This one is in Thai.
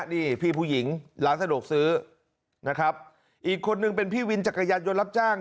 นี่พี่ผู้หญิงร้านสะดวกซื้อนะครับอีกคนนึงเป็นพี่วินจักรยานยนต์รับจ้าง